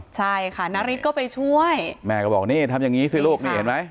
ใช่ค่ะนาริสก็ไปช่วยแม่ก็บอกนี่ทำอย่างนี้สิลูกนี่เห็นไหม